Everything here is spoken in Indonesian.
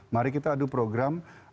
mari kita adu program